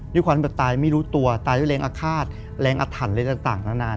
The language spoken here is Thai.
ด้วยความที่แบบตายไม่รู้ตัวตายด้วยแรงอาฆาตแรงอาถรรพ์อะไรต่างนานาน